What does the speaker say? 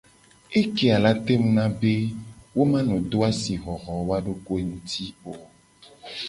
Ekeya la tengu na be wo mu la no do asixoxo woa dokoe nguti o.